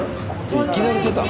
いきなり出たの？